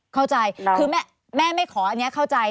เข้าใจคือแม่ไม่ขออันนี้เข้าใจ